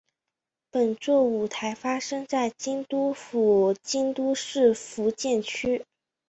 本作舞台发生在京都府京都市伏见区。